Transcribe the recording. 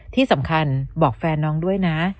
ที่สำคัญบอกแฟนน้องด้วยนะ